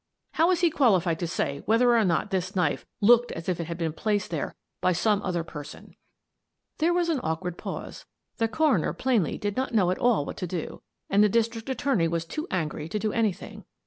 How is he qualified to say whether or not this knife ' looked as if it had been placed there by some other person '?" There was an awkward pause. The coroner plainly did not know at all what to do, and the dis trict attorney was too angry to do anything.